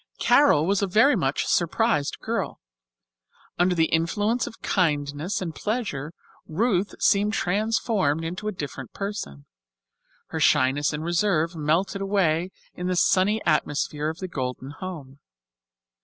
Carol was a very much surprised girl. Under the influence of kindness and pleasure Ruth seemed transformed into a different person. Her shyness and reserve melted away in the sunny atmosphere of the Golden home.